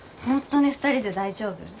本当に２人で大丈夫？